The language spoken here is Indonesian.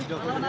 di betrop pak